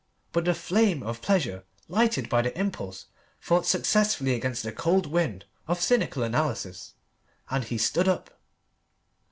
But the flame of pleasure lighted by the impulse fought successfully against the cold wind of cynical analysis, and he stood up.